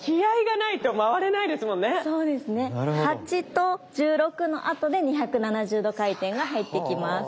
８と１６のあとで２７０度回転が入ってきます。